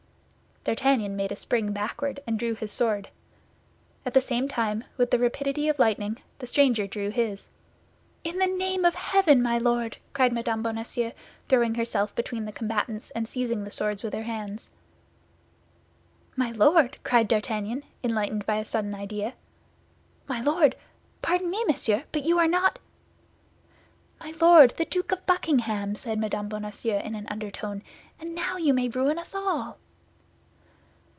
D'Artagnan made a spring backward and drew his sword. At the same time, and with the rapidity of lightning, the stranger drew his. "In the name of heaven, my Lord!" cried Mme. Bonacieux, throwing herself between the combatants and seizing the swords with her hands. "My Lord!" cried D'Artagnan, enlightened by a sudden idea, "my Lord! Pardon me, monsieur, but you are not—" "My Lord the Duke of Buckingham," said Mme. Bonacieux, in an undertone; "and now you may ruin us all."